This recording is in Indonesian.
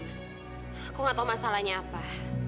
aku gak tau masalahnya apa